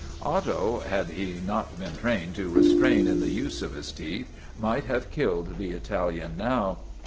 Otto, had he not been trained to restrain in the use of his teeth, might have killed the Italian now.